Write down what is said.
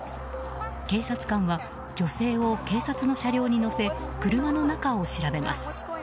警察官は女性を警察の車両に乗せ車の中を調べます。